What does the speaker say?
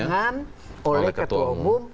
itu harus ditangani oleh ketua umum